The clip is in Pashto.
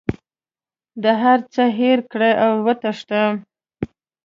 د هر څه هېر کړه او وتښته.